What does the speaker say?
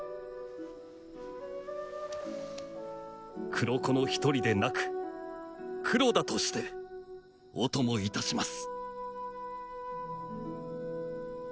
黒子の一人でなくクロダとしてお供いたします。